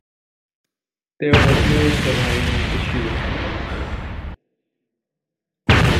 There was no surviving issue from the marriage.